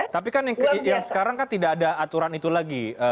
tapi kan yang sekarang kan tidak ada aturan itu lagi